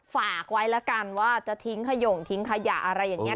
ฝากไว้แล้วกันว่าจะทิ้งขยงทิ้งขยะอะไรอย่างนี้